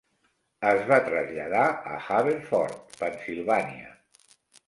Es va traslladar a Haverford, Pennsilvània.